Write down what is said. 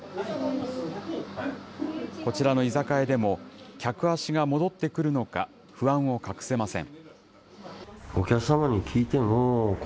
こちらの居酒屋でも、客足が戻ってくるのか、不安を隠せません。